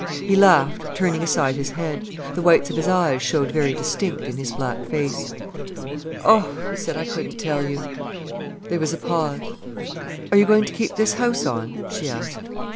He laughed, turning aside his head. The whites of his eyes showed very distinct in his black face. "Oh," he said, "I couldn't tell you." There was a pause. "Are you going to keep this house on?" she asked.